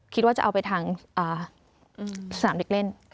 คิดว่าจะเอาไปทางสนามเด็กเล่น